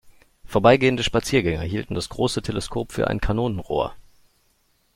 Vorbeigehende Spaziergänger hielten das große Teleskop für ein Kanonenrohr.